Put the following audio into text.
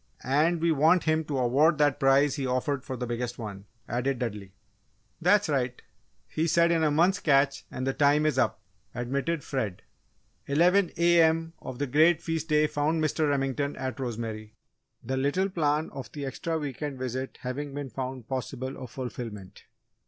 "And we want him to award that prize he offered for the biggest one," added Dudley. "That's right. He said 'in a month's catch,' and the time is up," admitted Fred. Eleven A.M. of the great feast day found Mr. Remington at Rosemary, the little plan of the extra week end visit having been found possible of fulfilment.